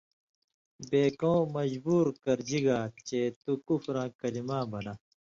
بے کؤں مجبُور کرژِگا چے تُو کُفراں کلیۡماں بنہ